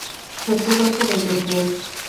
শত্রু পক্ষের এজেন্টের।